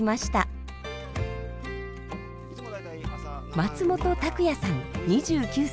松本拓也さん２９歳。